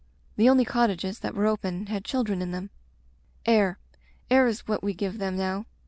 The only cottages that were open had chil dren in them. Air; air is what we give them now.